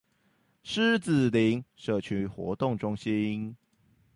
獅子林社區活動中心